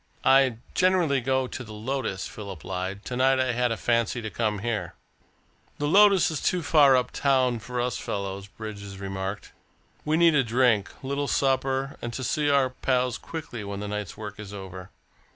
"I generally go into the Lotus," Philip lied. "To night I had a fancy to come here." "The Lotus is too far up town for us fellows," Bridges remarked. "We need a drink, a little supper, and to see our pals quickly when the night's work is over.